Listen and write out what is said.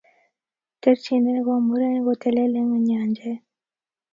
Terchinet ko muren kotelel eng yachen